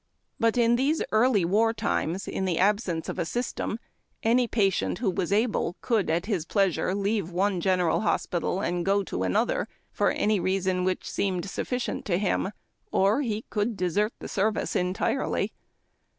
But in these early war times. In the absence of a system, any patient who was able could, at his pleasure, leave one general hospital and go to aiM'iJKa for any reason which seemed sufficient to him, or he eonid desert the service entirely.